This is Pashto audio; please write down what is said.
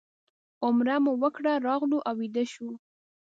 عمره مو وکړه راغلو او ویده شوو.